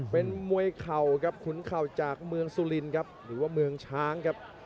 เป็นมวยเข่าครับขุนเข่าจากเมืองสุรินครับหรือว่าเมืองช้างครับ